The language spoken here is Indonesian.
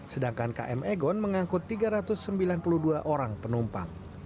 sedangkan km egon mengangkut tiga ratus sembilan puluh dua orang penumpang